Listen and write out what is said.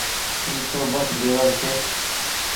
اي تو بس ڍيور ڇي۔